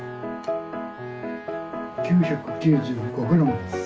９９５グラムです。